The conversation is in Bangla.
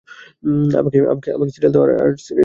আমাকে সিরিয়াল দাও - আরে সিরিয়াল ওয়ালা।